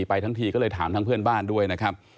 ไปทั้งทีก็เลยถามทั้งเพื่อนบ้านด้วยนะครับ